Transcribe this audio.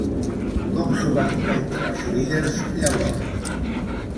Com s'ho van prendre els líders, llavors?